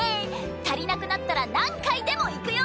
足りなくなったら何回でも行くよ！